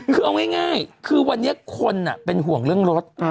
คือเอาง่ายคือวันนี้คนเป็นห่วงเรื่องรถ